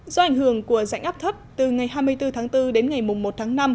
do ảnh hưởng của rãnh áp thấp từ ngày hai mươi bốn tháng bốn đến ngày một tháng năm